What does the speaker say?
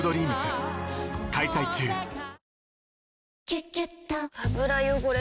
「キュキュット」油汚れ